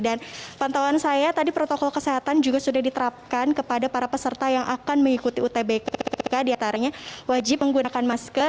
dan pantauan saya tadi protokol kesehatan juga sudah diterapkan kepada para peserta yang akan mengikuti utbk diantaranya wajib menggunakan masker